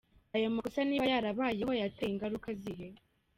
Ayo makosa niba yarabayeho yateye ingaruka zihe?